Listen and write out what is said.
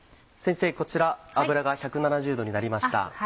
先生こちら油が１７０℃になりました。